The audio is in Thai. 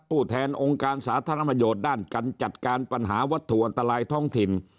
ผู้แทนองค์การสาธารณประโยชน์ด้านการจัดการปัญหาวัตถุอันตรายท้องถิ่น